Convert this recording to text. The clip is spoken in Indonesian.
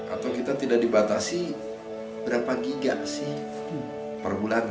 atau kita tidak dibatasi berapa giga sih perbulan gitu